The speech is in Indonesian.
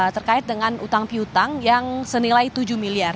terkait dengan utang piutang yang senilai tujuh miliar